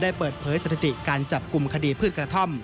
เปิดเผยสถิติการจับกลุ่มคดีพืชกระท่อม